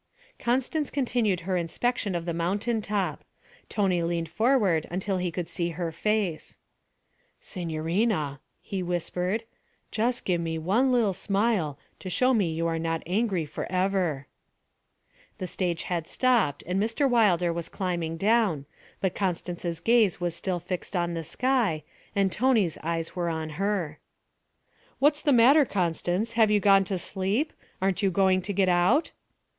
Constance continued her inspection of the mountain top. Tony leaned forward until he could see her face. 'Signorina,' he whispered, 'jus' give me one li'l' smile to show me you are not angry for ever.' The stage had stopped and Mr. Wilder was climbing down, but Constance's gaze was still fixed on the sky, and Tony's eyes were on her. 'What's the matter, Constance, have you gone to sleep? Aren't you going to get out?'